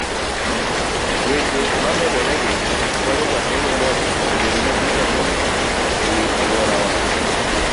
weche mamedoregi konyo jasomo mondo obed gi picha e wiye e wi aluora ma